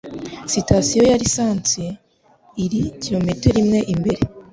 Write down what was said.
Sitasiyo ya lisansi iri kilometero imwe imbere.